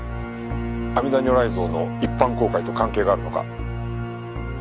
阿弥陀如来像の一般公開と関係があるのか？